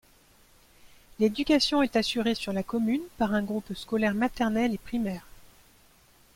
L'éducation est assurée sur la commune par un groupe scolaire maternelle et primaire.